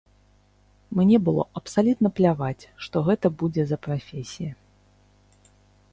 Мне было абсалютна пляваць, што гэта будзе за прафесія.